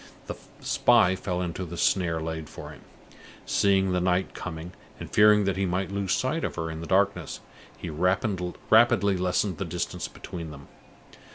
The spy fell into the snare laid for him. Seeing the night coming, and fearing that he might lose sight of her in the darkness, he rapidly lessened the distance between them.